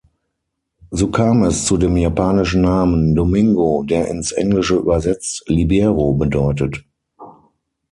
So kam es zu dem japanischen Namen "Domingo", der ins Englische übersetzt "Libero" bedeutet.